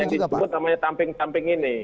yang disebut namanya tamping tamping ini